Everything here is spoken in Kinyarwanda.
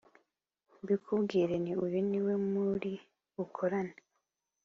mbikubwire nti uyu ni we muri bukorane